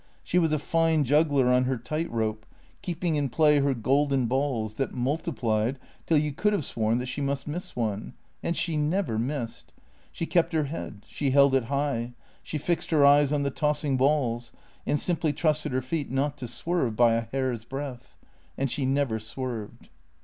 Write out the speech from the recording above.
She was a fine juggler on her tight rope, keeping in play her golden balls that multiplied till you could have sworn that she must miss one. And she never missed. She kept her head; she held it high; she fixed her eyes on the tossing balls, and simply trusted her feet not to swerve by a hair's breadth. And she never swerved.